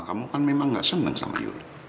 kamu kan memang gak senang sama yuli